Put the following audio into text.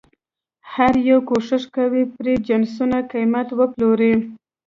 هر یو کوښښ کوي پرې جنسونه قیمته وپلوري.